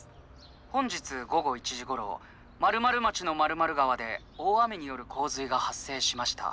本日午後１時ごろ○○町の○○川で大雨によるこう水がはっ生しました。